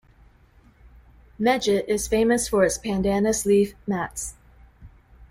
Mejit is famous for its pandanus leaf mats.